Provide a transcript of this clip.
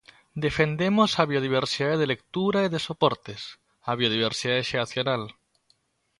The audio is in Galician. Defendemos a biodiversidade de lectura e de soportes, a biodiversidade xeracional.